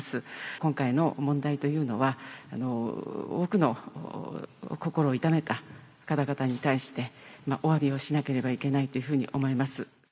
今回の問題というのは、多くの心を痛めた方々に対して、おわびをしなければいけないというふうに思います。